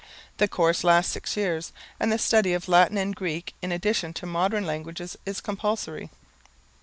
The course lasts six years; and the study of Latin and Greek in addition to modern languages is compulsory.